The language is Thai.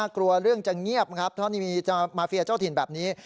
กลัวเรื่องจะเงียบเพราะมีมาเฟียเจ้าถิ่นแบบนี้